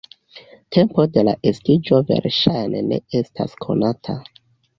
Tempo de la estiĝo verŝajne ne estas konata.